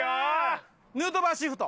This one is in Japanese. ヌートバーシフト。